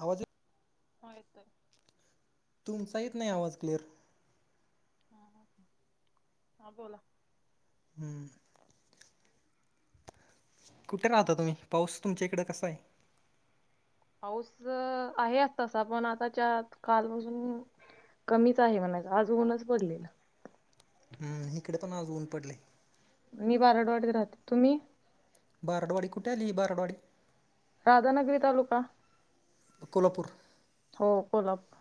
आवाज. हो येतोय. तुमचा येत नाही आवाज क्लिअर. हा बोला. हम्म. कुठे राहता तुम्ही? पाऊस तुमच्या इकडं कसा आहे? पाऊस आहे आज तसा. पण आताच्या कालपासून कमीच आहे म्हणायचा. आज ऊन पडलेलं. हम्म. हिकडं पण आज ऊन पडलय. मी बारडवाडीत राहते. तुम्ही? बारडवाडी कुठे आली? ही बारडवाडी. राधानगरी तालुका. कोल्हापूर. हो कोल्हापूर.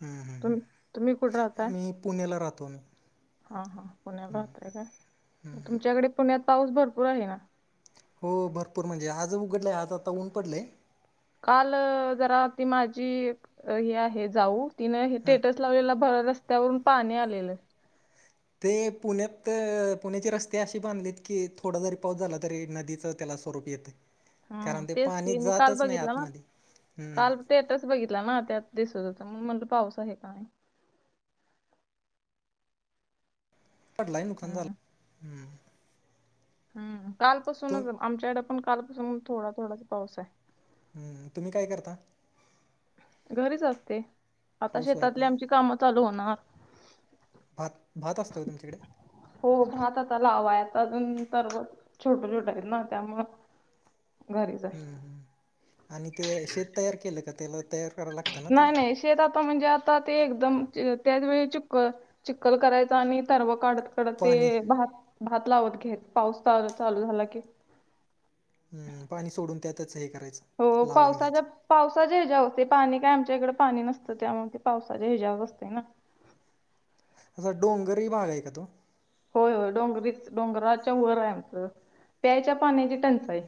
हम्म तुम तुम्ही कुठे राहताय? हम्म मी पुण्याला राहतो मी. हा हा, पुण्यात राहताय काय. मग तुमच्याकडे पुण्यात पाऊस भरपूर आहे ना. हो, भरपूर म्हणजे आज उघडलं आहे. आज आता ऊन पडलंय. काल जरा ती माझी ही आहे जाऊ तिन हे हां टेट्स. लावले भर रस्त्यावरून पाणी आलेलं. ते पुण्यात पुण्याचे रस्ते अशे बांधलेत की, थोडा जरी पाऊस झाला तरी नदीचं त्याला स्वरूप येत. हम्म कारण ते तेच पाणी मी काल जातच नाही बघितलं ना आतमध्ये. हम्म, काल स्टेटस बघितला ना त्यात दिसत होतं, म्हणून म्हटलं पाऊस आहे का नाही? पडलाय, नुकसान हम्म झालं. हम् तु कालपासूनच आमच्याकडं पण कालपासून, थोडा थोडाच पाऊस आहे. हम्म, तुम्ही काय करता? घरीच असते, आता हाऊस वाईफ शेतातली, आहे आमची कामं चालू होणार. भात. भात, असतो का तुमच्याकडे? हो, भात आता लावाय आता अजून तरू येत. छोटं छोटं आहेत ना त्यामुळं. घरीच हम्म आहे ह, आणि ते शेत तयार केलं का त्याला तयार करायला लाग नाही नाही. शेत आता म्हणजे आता ते एकदम त्याच वेळी चुक्क चिक्कल करायचं आणि तरर्व काढत कडं पाणी ते भात, भात लावत घेत पाऊस चालू झाला की हम्, पाणी सोडून त्यातच हे करायचं. हो, लावून पावसाच्या घ्यायचं पावसाच्या हेजावर असते. पाणी काय आमच्या इकडं पाणी नसतं, त्यामुळे ते पावसाच्या हेजावरच असते ना. असा डोंगरी भाग आहे का तो? होय होय, डोंगरीच. डोंगराच्या वर आहे आमचं, प्यायच्या पाण्याची टंचाई.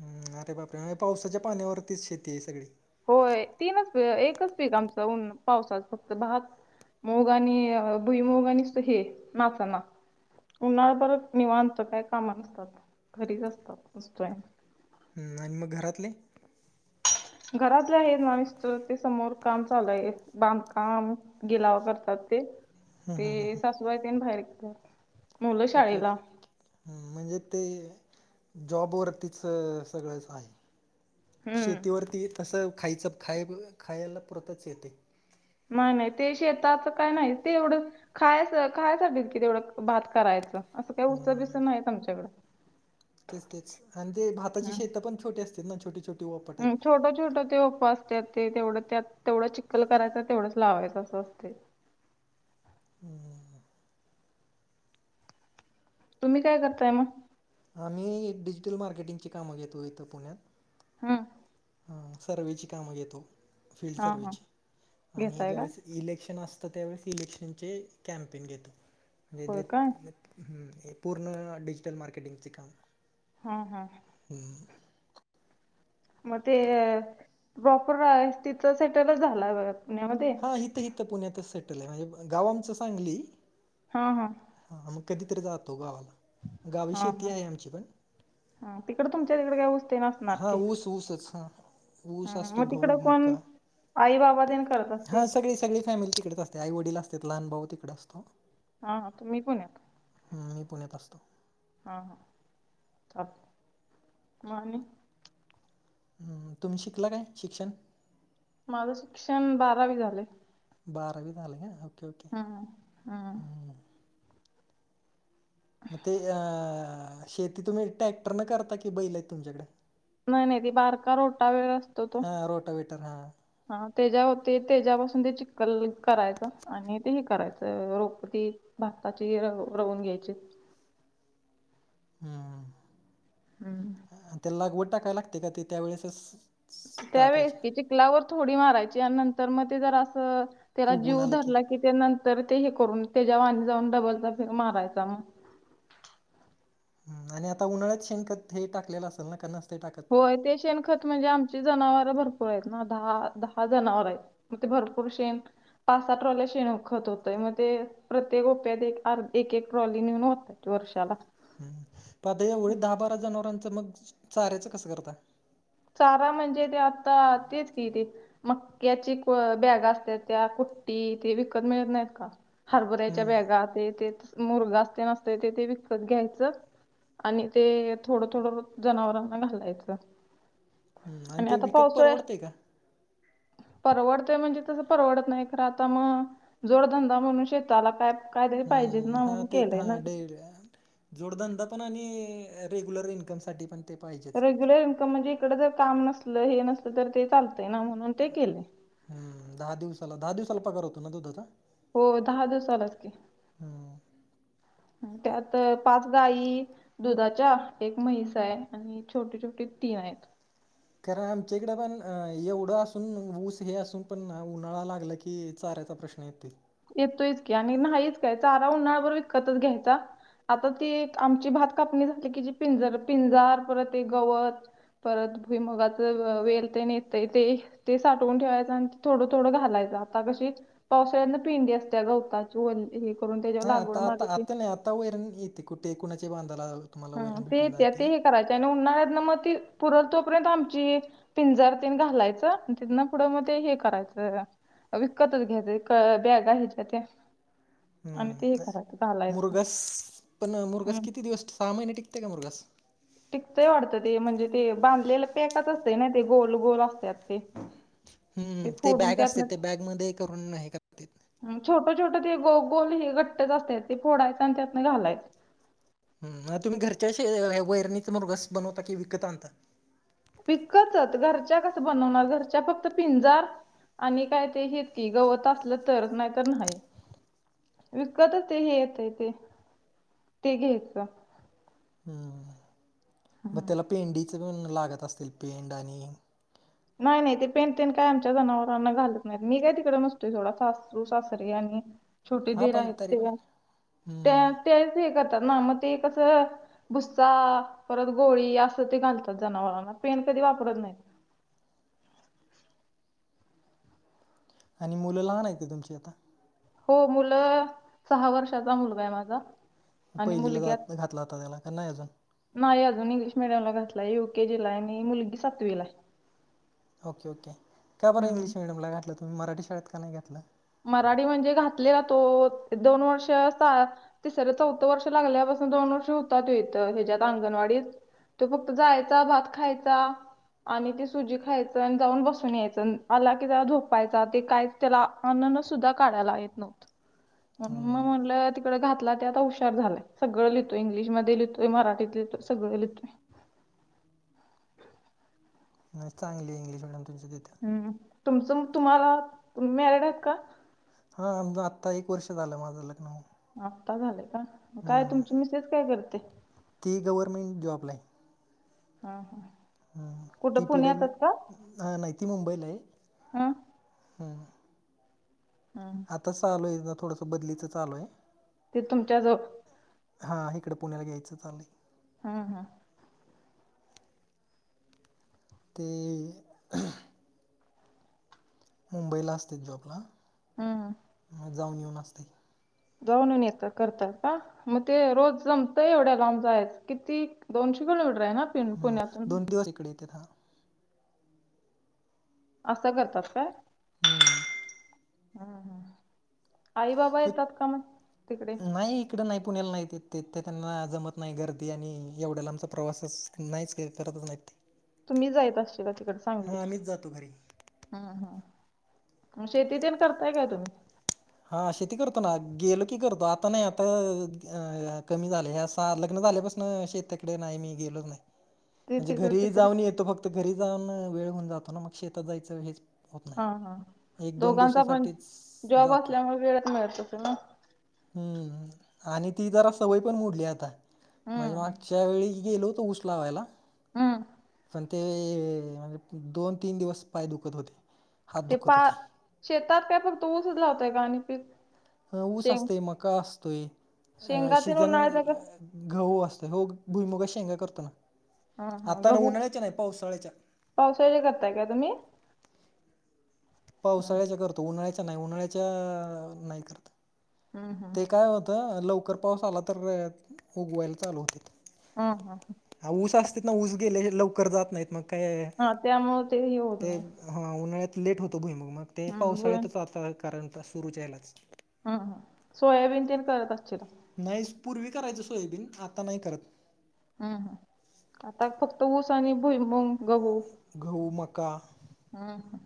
हम्, अरे बापरे! पावसाच्या पाण्यावरतीच शेती आहे सगळी. होय, तीनच एकच पीक आमचं ऊन पावसाचं फक्त भात. मुग आणि भुईमुग आणि नुसतं हे नाचणा. उन्हाळा परत निवांत. काय कामं नसतात, घरीच असतात. [unintelligible] हंम्, आणि मग घरातले? घरातले आहेत ना. मिस्टर, ते समोर काम चालू आहे. बांधकाम, गिलावा करतात ते. ते हम्म, हम्म, सासूबाई तेन बाहेर गेल्यात. मुलं ओके शाळेला ओके म्हणजे ते जॉबवरतीच सगळ सगळंच आहे. हम्म शेतीवरती तसं खायचं खायब खायला पुरतच येते नाही नाही ते शेताच काय नाही ते एवढं खायच खायासाठीच की तेवढं भात करायचं असं काय ऊस बिस हम्म, नाहीत आमच्याकडं तेच तेच आणि ते भाताची शेत पण छोटे असत्यात ना छोटे छोटे हम छोट छोट ते उपास त्यात ते तेवढं त्यात तेवढं चिक्खल करायचं तेवढंच लावायचं असं असतय हम् तुम्ही काय करताय मग आम्ही डिजिटल मार्केटिंगची कामं घेतोय इथं पुण्यात हम हा सर्वेची कामं घेतो फील्ड हा हा सर्वेची आणि घेताय काय ज्यावेेळेस इलेक्शन असतं त्यावेळेस इलेक्शनचे कॅम्पेन घेतो होय काय म्हणजे पूर्ण डिजिटल मारकेटिंगची काम हम हम हम हम मग ते प्रॉपर तिथच सेटलच झाला पुण्यामध्ये हां इथं इथं पुण्यातच सेटल आहे म्हणजे गाव आमचं सांगली हा हा हा मग कधीतरी जातो गावाला गावी शेती आहे आमची पण ह तिकडे तुमच्या तिकडे काही ऊस तेन असणार हां ऊस ऊसच हा ऊस हम्म, असतो मग घऊ, तिकडं कोण मका आई बाबा तेन करत हा असतील सगळी सगळी फॅमिली तिकडेच असते. ते आई वडील असत्यात लहान भाऊ तिकडं असतो. हा हा तुम्ही पुण्यात हम्म मी पुण्यात असतो. हा हा मग आणि हम् तुम्ही शिकला काय शिक्षण माझं शिक्षण बारावी झालंय बारावी झालंय काय हा ओके ओके हम्म हम्म हम मग ते अ शेती तुम्ही ट्रॅक्टर न करता की बैल आहेत तुमच्याकड नाही नाही ती बारका रोटा वेळ असतो तो हां रोटावेटर हां हा तेजा होते तेच्यापासून ते चिक्कल करायचं आणि ते हे करायचं रोपटी भाताची र रवून घ्यायचीत हम्म हम्म आणि त्याला लागवट टाकाय लागते का ते त्यावेेळेसच त्यावेळसकी चिकलावर थोडी मारायची आणि नंतर मग ते जरा असं त्याला उगून जीव आलं धरला की त्या नंतर ते हे करून त्याच्या वर आणि जाऊन डबलदा फेर मारायचा मग ह आणि आता उन्हाळ्यात शेणखत हे टाकलेलं असल ना का नसतय टाकत होय ते शेण खत म्हणजे आमची जनावर भरपूर आहेत ना दहा दहा जनावर आहेत. मग ते भरपूर शेन पाच सात ट्रॉल्या शेण खत होतय मग ते प्रत्येक रोप्यात एक आर एक एक ट्रॉली नेऊन वताय अ वर्षला हम् पणआता या होळीत दहा बारा जनावरांचं मग चाऱ्यायचं कसं करताय. चारा म्हणजे ते आता तेच की ते मक्याची बॅग असत त्या कुट्टी ते विकत मिळत नाहीत का हरभऱ्याच्या हं, बॅग ते मुरगा असते नसते ते ते विकत घ्यायचं. आणि ते थोडं थोडं जनावरांना घालायचं. हम्म आणि ते विकत परवडते का? परवडतय म्हणजे तसं परवडत नाही खरं आता मग जोडधंदा म्हणून शेताला काय कायतरी पाहिजेच हम्म ना हा म्हणून तेच केलंय हा ना डडेर जोडधंदा पण आणि रेग्युलर इन्कम साठी पण ते पाहिजेच. रेग्युलर इन्कम म्हणजे इकड जर काम नसलं हे नसलं तर ते चालतय ना म्हणून ते केले. हम् दहा दिवसाला दहा दिवसाला पगार होतो ना दुधाचा? हो दहा दिवस झालाच की [inaudible] त्यात पाच गाई दुधाच्या एक म्हहिस हाय छोटे छोटे तीन आहेत. कारण आमच्या इकडे पण एवढं असून ऊस हे असून पण उन्हाळा लागलं की की चाऱयचा प्रश्न येतोय. येतोयाचं की आणि नाहीच काय चारा उन्हाळा बरोब इतकच घ्यायचा. आता ती आमची भात कापणी झाली की जी पिंजर पिंजार परत एक गवत परत भुईमगाच वेल ते नेत य ते ते साठवून ठेवायचं आणि थोडं थोडं घालायचं आता कशी पावसाळ्या तू पिंढी गवता चू हे करून त्याच्यावर हा लागवड आता आता मरली की आता नाही आता वरण येते कुठे कुणाच्या बांधाला तुम्हाला ह वैरण ते भेटून येतीय जाते. ते हे करायचे आहे आणि उन्हाळ्यात ना मग ती पुर तोपर्यंत आमची पिंजारतीन घालायचं आणि तिथन पुढं मध्ये हे करायचं विकतच घ्यायचं बॅग आहेच्या त्या आणि ते हे हम् करायचं घालायचं. मुरगस पण मुरगस हम्म. किती दिवस सहा महिने टिकते का मुरगस? टिकतय वाटतं ते म्हणजे ते बांधलेलं पॅकच असतें ना ते गोल गोल असतात. ते हम्म ते फोडून बॅग असते त्यातनं ते बॅग मध्ये करून नाही का छोटं छोटं ते गो गोल हे घट्टच असतात ते फोडायचं आणि त्यातन घालायचं हम तुम्ही घरच्या वैरणीचा मृगास बनवता की विकत आणता. विकचत घरच्या कसं बनवणार घरच्या फक्त पिंजार आणि काय ते हे की गवत असलं तर नाहीत नाही विकतच ते हे येत ते ते घ्यायचं. हम्म मग त्याला पेंडीच पण लागत असतील पेंड आणि नाही नाही ते पेंट तेेंट काय आमच्या जनावरांना घालत नाहीत मी काय तिकडे नस्तोय थोडा सासरू सासरी आणि छोटी हा दीर पण आहेत तरी ते पण त्या हम्म त्याच हे करतात ना मग ते कसं भुस्सा परत गोळी असं ते घालतात जनावरांना पेन कधी वापरत नाही. आणि मुलं लहान आहेतेत तुमची आता? हो मुलं सहा वर्षाचा मुलगा आहे माझा आणि पहिलीला मुलगी आत- जात घातला होता त्याला का नाही अजून नाही अजून इंग्लिश मिडियम ला घातलाय यु केजी ला आणि मुलगी सातवी ला हाय. ओके ओके का बरं हम्म. इंग्लिश मिडियमला घातलं तुम्ही मराठी शाळेत का नाही घातलं. मराठी म्हणजे घातलेला तो दोन वर्ष अस तिसर चौथं वर्ष लागल्यापासून दोन वर्ष होता तो इथ ह्याच्यात अंगणवाडीत. तो फक्त जायचा भात खायचा. आणि ते सुजी खायचं न जाऊन बसून यायचं न आला की जरा झोपायचा ते काय त्याला. अ न न सुद्धा काढायला येत नव्हत, म हम्म म्हनलं तिकडे घातला ते आता हुशार झालांय. सगळ लिथो, इंलिशमध्ये लीहतोय, मराठीत लिहतोय, सगळं लिहतोय. नई चांगली इंग्लिश मिडीयम तुमच्या तिथं. हं तुमचं मं तुम्हाला मॅरीडआहेत का? हा आम आत्ता एक वर्ष झालं माझं लग्न होऊन. आत्ता झालंय का मं काय हम्म तुमची मिसेस काय करते? ती गव्हार्मेंट जॉबला आहे. हा हा कुठं पुण्यातच का? हं नही ती मुंबईला आहे. हं! हं! हा! तस आलंय ज थोडसं बदलीचच चालू आहे. ते तुमच्या जो हां इकड पुण्याला घ्यायचं चाललंय. हा हा! ते. मुंबईला असतेत जॉबला. हूं! म जाऊन येऊन असते. जाऊनयुन येत करत का? म ते रोज जमतय एवढ्या लांब जायचं, किती दोनशे किलोमीटर आहे ना? पिन हूं पुण्यातून. दोन दिवस इकडे येतेत हा. असं करतात काय. हूं! [unintelligible] आई बाबा येतात का मग तिकडे? नाही. ईकड नाही पुण्याला नाहीत येत ते त्यांना जमत, नाही गर्दी आणि एवढ्या लामचा आमचा प्रवाससं नाहीच हे करतच नाही. [inaudible] तुम्ही जायत असशिला तिकड सांगलीला. जातो घरी हूं हूं शेती तेन करताय काय तुम्ही? हा शेती करतो ना गेलं की करतो, आता नाही आता अ कमी झालय ह्यां असा लग्न झाल्या पासु न शेताकडे नाही मी गेलोच नाही. ते म्हणजे तिकडे घरी तिकडे जाऊन येतो, फक्त घरी जाऊन वेळ होऊन जातो ना मग शेतात जायचं हेच होत हा हा. नाही, एक दोन दिवसासाठीच जातो. त्यामुळ वेळच मिळत नसल ना. हूं आणि ती जरा सवय पण मोडली आता माझे माग हम्म. च्या वेळी गेलो होतो ऊस लावायला. हूं! पण ते म्हणजे दोन तीन दिवस पाय दुखत होते. हात ते दुखत पा होते शेतात काय फक्त ऊसच लावताय कां आणी पीक हं ऊस शेंग असतय मका असतय अ शेंगा तेन शिजन उन्हाळ्याचा ग गहु असतंय हो भुईमुगा शेंगा करतो हा हा हा गहू पावसाळ्यात करताय का तुम्ही हम्म पावसाळ्याच्या करतो उन्हाळ्याच्या नाही उन्हाळ्याच्या नाही करत. हम हम ते काय होतं लवकर पाऊस आला तर उगवायला चालू होतंय. हा हा ह हा ऊस असते ना ऊस गेले लवकर जात नाहीत मग काय हा त्यामुळे ते हे होत ते नाही हा उन्हाळ्यात लेट होतो भुईमुग मग ते हम्म ब पावसाळ्यातच आता कारण सुरूच्या ह्यलाच ह हा सोयाबीन तेल करत असचिला. नाहीस पूर्वी करायचं सोयाबीन आता नाही करत. हम् ह आता फक्त ऊस आणि भुईमुग गहु मका हम्म ह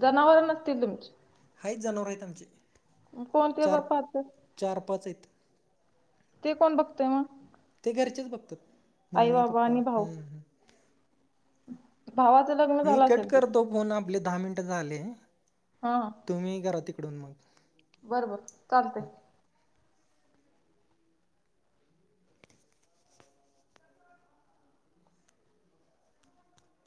जनावर नसतील तुमची हायत जनावर हायत आमची कोन ते बा पाहत चार पाच हायत. ते कोण बघतय मग ते घरचेच बघतात आई मम्मी बाबा पप्पा आणि भाऊ हम्म हम्म भावाचं लग्न मी झालं कट असेल कि करतो फोन आपले दहा मिनिट झाले. हा हा. तुम्ही करा तिकडून मग बर-बर चालतय